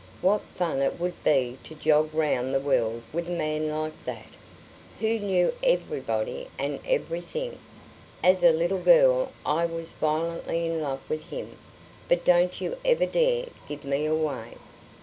What fun it would be to jog round the world with a man like that, who knew everybody and everything. As a little girl I was violently in love with him; but don't you ever dare give me away."